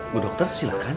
bu dokter silakan